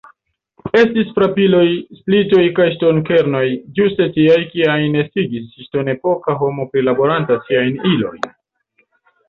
Estis frapiloj, splitoj kaj ŝtonkernoj, ĝuste tiaj, kiajn estigis ŝtonepoka homo prilaboranta siajn ilojn.